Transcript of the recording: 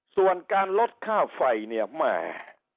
ส่วนการลดค่าไฟเนี่ยแหม